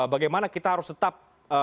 bagaimana kita harus tetap